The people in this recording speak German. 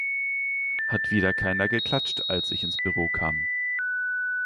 Hat wieder keiner geklatscht, als ich ins Büro kam